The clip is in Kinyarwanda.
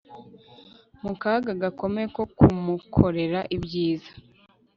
Mu kaga gakomeye ko kumukorera ibyiza